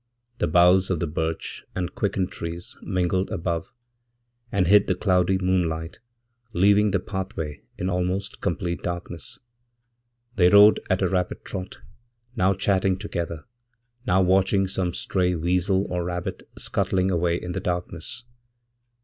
The boughs of the birch and quickentrees mingled above, and hid the cloudy moonlight, leaving thepathway in almost complete darkness. They rode at a rapid trot, nowchatting together, now watching some stray weasel or rabbit scuttlingaway in the darkness.